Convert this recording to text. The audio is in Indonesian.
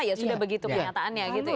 ya sudah begitu kenyataannya gitu ya